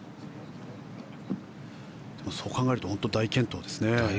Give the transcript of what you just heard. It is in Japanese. そう考えると本当に大健闘ですね。